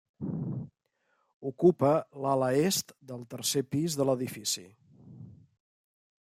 Ocupa l'ala est del tercer pis de l'edifici.